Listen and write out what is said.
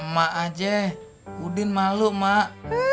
mak aja udin malu mak